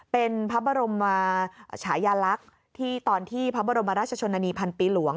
เป็นพระบรมชายาลักษณ์ที่ตอนที่พระบรมราชชนนานีพันปีหลวง